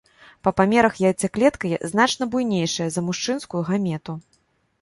Па памерах яйцаклетка значна буйнейшая за мужчынскую гамету.